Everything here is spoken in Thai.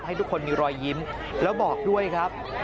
ให้ทุกคนมีรอยยิ้มแล้วบอกด้วยครับ